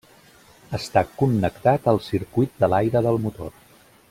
Està connectat al circuit de l'aire del motor.